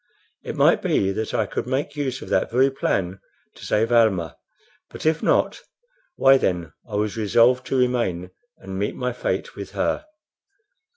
It might be that I could make use of that very plan to save Almah; but if not, why then I was resolved to remain and meet my fate with her.